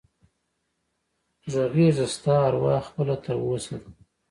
غږېږه ستا اروا خپله تر اوسه ده